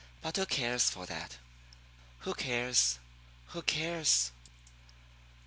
But who cares for that? Who cares who cares?